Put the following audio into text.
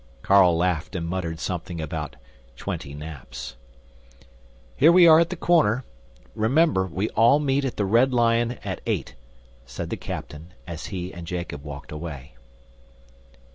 Carl laughed and muttered something about "twenty naps." "Here we are at the corner. Remember, we all meet at the Red Lion at eight," said the captain as he and Jacob walked away.